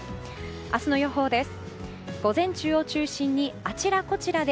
明日の予報です。